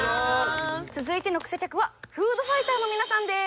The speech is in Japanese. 続いてのクセ客はフードファイターの皆さんです。